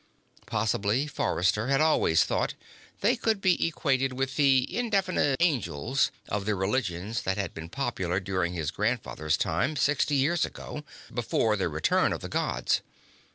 Possibly, Forrester had always thought, they could be equated with the indefinite "angels" of the religions that had been popular during his grandfather's time, sixty years ago, before the return of the Gods.